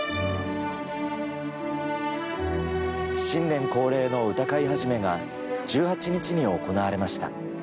新年恒例の歌会始が１８日に行われました。